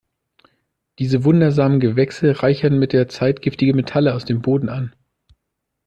Diese wundersamen Gewächse reichern mit der Zeit giftige Metalle aus dem Boden an.